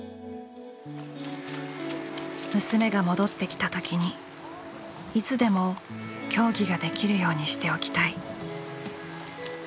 「娘が戻って来た時にいつでも競技ができるようにしておきたい」。